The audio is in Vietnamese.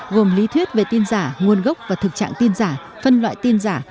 gồm lý thuyết về tin giả nguồn gốc và thực trạng tin giả phân loại tin giả